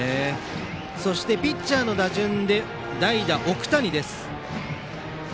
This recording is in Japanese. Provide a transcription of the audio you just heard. そしてピッチャーの打順で代打、奥谷です。